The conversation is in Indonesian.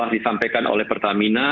disampaikan oleh pertamina